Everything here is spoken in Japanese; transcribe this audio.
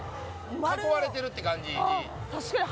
囲われてるって感じ。